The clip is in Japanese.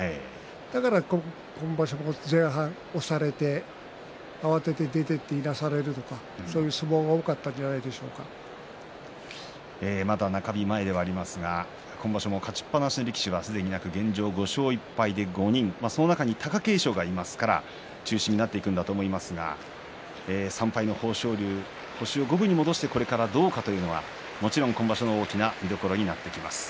だから今場所は前半、押されて慌てて出ていっていなされるとかそういう相撲がまだ中日前ではありますが今場所勝ちっぱなしの力士はいなく現状、５勝１敗で５人その中に貴景勝がいますから中心になっていくんだと思いますが３敗の豊昇龍、星を五分に戻してこれからどうかというのはもちろん今場所の大きな見どころになってきます。